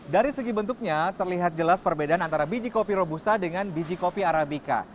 dari segi bentuknya terlihat jelas perbedaan antara biji kopi robusta dengan biji kopi arabica